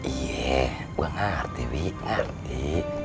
iya gue ngerti wih ngerti